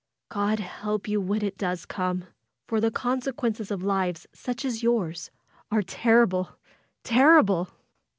God help you when it does come ! For the consequences of lives such as yours are terrible — terrible!